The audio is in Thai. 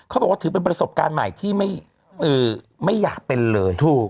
บอกว่าถือเป็นประสบการณ์ใหม่ที่ไม่อยากเป็นเลยถูก